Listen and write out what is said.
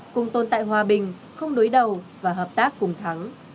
cùng tồn tại hòa bình không đối đầu và hợp tác cùng thắng